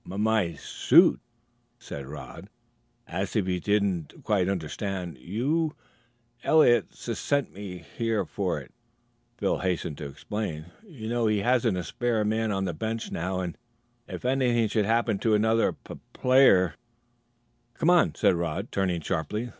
"My my suit?" said Rod, as if he did not quite understand. "You " "Eliot sus sent me for it," Phil hastened to explain. "You know he hasn't a spare man on the bench now, and if anything should happen to another pup player " "Come on," said Rod, turning sharply.